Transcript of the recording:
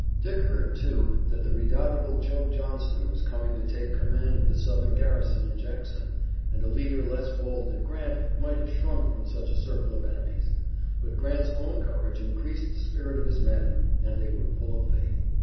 Dick heard, too, that the redoubtable Joe Johnston was coming to take command of the Southern garrison in Jackson, and a leader less bold than Grant might have shrunk from such a circle of enemies, but Grant's own courage increased the spirit of his men, and they were full of faith.